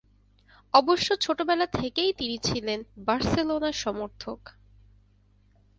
অবশ্য ছোটবেলা থেকেই তিনি ছিলেন বার্সেলোনার সমর্থক।